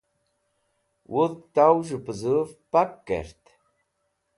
wudg tow z̃hu puzuv pak kert